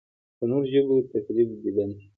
د نورو ژبو تقلید دې بند شي.